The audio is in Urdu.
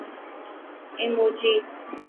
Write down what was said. ایموجی